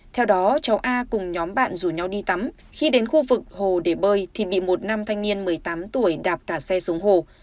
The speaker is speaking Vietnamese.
theo đó cháu a cùng nhóm bạn rủ nhau đi tắm khi đến khu vực hồ để bơi thì bị một nam thanh niên một mươi tám tuổi đạp thả xe xuống hồ